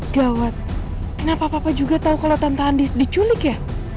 gawat kenapa papa juga tau kalo tante andis diculik ya